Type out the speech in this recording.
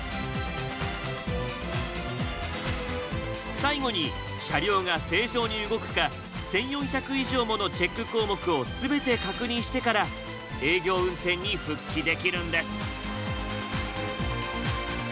最後に車両が正常に動くか１，４００以上ものチェック項目を全て確認してから営業運転に復帰できるんです。